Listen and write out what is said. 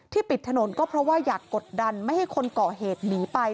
ปิดถนนก็เพราะว่าอยากกดดันไม่ให้คนเกาะเหตุหนีไป